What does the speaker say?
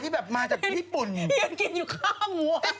เดี๋ยวเขาไม่ต้องสัญญา